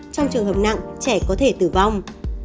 trong trường hợp nặng trẻ có thể tử vong